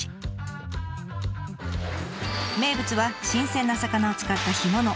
名物は新鮮な魚を使った干物。